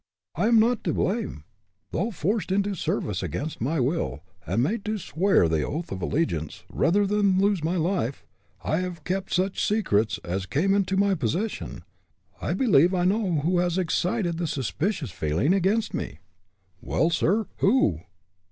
"I am not to blame. Though forced into service against my will, and made to swear the oath of allegiance, rather than lose my life, I have kept such secrets as came into my possession. I believe I know who has excited the suspicious feeling against me." "Well, sir, who?"